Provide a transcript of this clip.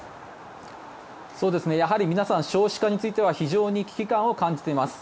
やはり皆さん少子化については非常に危機感を感じています。